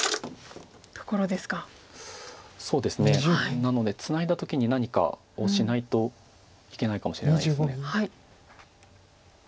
なのでツナいだ時に何かをしないといけないかもしれないです。